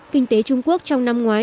kinh tế trung quốc trong năm ngoái